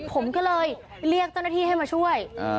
ผมก็เลยเรียกเจ้าหน้าที่ให้มาช่วย